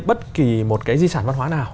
bất kỳ một cái di sản văn hóa nào